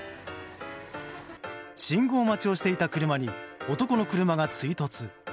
信号待ちをしていた車に男の車が追突。